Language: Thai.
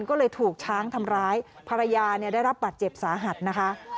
ก็เลยถูกช้างทำร้ายภรรยาได้รับบาดเจ็บสาหัสนะคะ